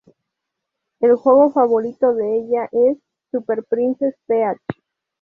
El juego favorito de ella es "Super Princess Peach".